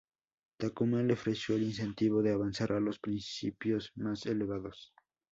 Takuma le ofreció el incentivo de avanzar a los principios más elevados.